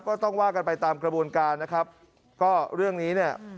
ก็ต้องว่ากันไปตามกระบวนการนะครับก็เรื่องนี้เนี่ย